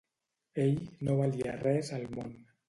Ell no valia res al món.